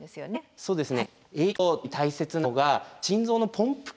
そうですね。